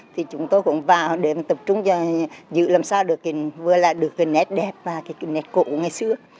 thì chúng tôi cũng vào để tập trung giữ làm sao được vừa là được cái nét đẹp và cái nét cụ ngày xưa